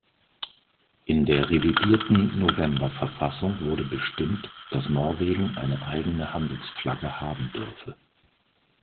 In der revidierten Novemberverfassung wurde bestimmt, dass Norwegen eine eigene Handelsflagge haben dürfe.